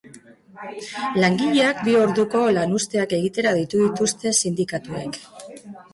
Langileak bi orduko lanuzteak egitera deitu dituzte sindikatuek.